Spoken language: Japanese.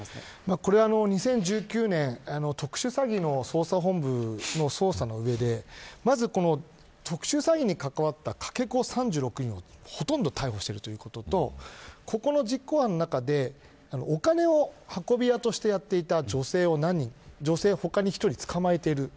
これは、２０１９年特殊詐欺の捜査本部の捜査の上でまず、特殊詐欺に関わったかけ子３６人をほとんど逮捕しているということとここの実行犯の中でお金を運び屋としてやっていた女性を他に１人捕まえている。